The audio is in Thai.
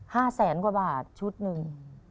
แสนกว่าบาทชุดหนึ่ง